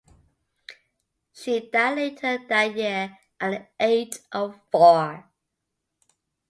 She died later that year at the age of four.